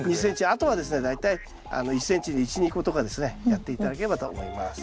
あとはですね大体１ｃｍに１２個とかですねやって頂ければと思います。